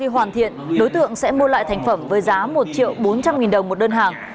khi hoàn thiện đối tượng sẽ mua lại thành phẩm với giá một triệu bốn trăm linh nghìn đồng một đơn hàng